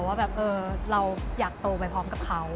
ว่าแบบเราอยากโตไปพร้อมกับเขา